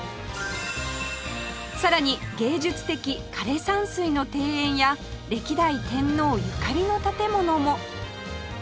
さらに芸術的枯山水の庭園や歴代天皇ゆかりの建物も